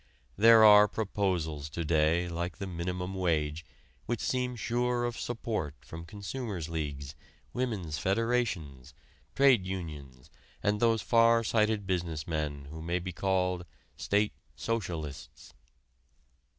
There are proposals to day, like the minimum wage, which seem sure of support from consumers' leagues, women's federations, trade unions and those far sighted business men who may be called "State Socialists."